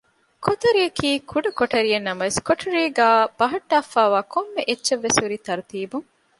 ކޮތަރިއަކީ ކުޑަ ކޮޓަރިއެއްނަމަވެސް ކޮޓަރީގައ ބަހައްޓާފައިވާ ކޮންމެ އެއްޗެއްވެސް ހުރީ ތަރުތީބުން